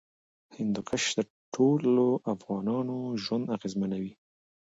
هندوکش د ټولو افغانانو ژوند اغېزمنوي.